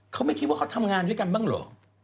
เขาไม่คิดว่าเขาทำงานด้วยกันบ้างเหรอ